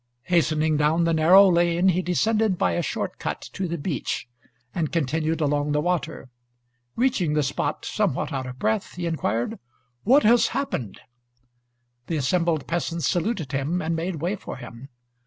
Hastening down the narrow lane, he descended by a short cut to the beach, and continued along the water. Reaching the spot, somewhat out of breath, he inquired: "What has happened?" The assembled peasants saluted him and made way for him.